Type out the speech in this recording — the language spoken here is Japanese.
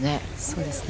そうですね。